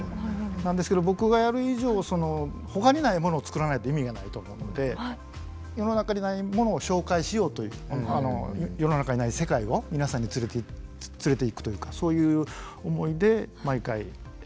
なんですけど僕がやる以上他にないものをつくらないと意味がないと思うので世の中にないものを紹介しようという世の中にない世界を皆さんに連れていくというかそういう思いで毎回つくってます。